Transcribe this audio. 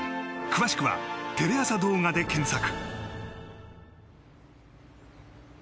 詳しくはテレ朝動画で検索。